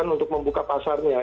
untuk membuka pasarnya